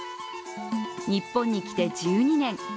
日本に来て１２年。